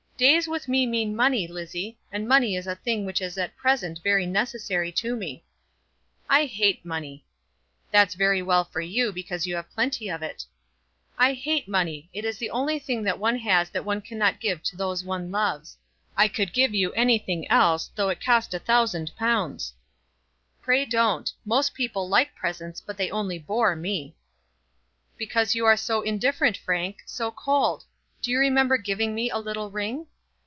"Days with me mean money, Lizzie, and money is a thing which is at present very necessary to me." "I hate money." "That's very well for you, because you have plenty of it." "I hate money. It is the only thing that one has that one cannot give to those one loves. I could give you anything else; though it cost a thousand pounds." "Pray don't. Most people like presents, but they only bore me." "Because you are so indifferent, Frank; so cold. Do you remember giving me a little ring?"